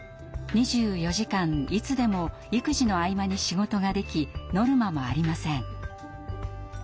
２４時間いつでも育児の合間に仕事ができノルマもありません。